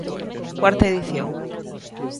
Cuarta edición.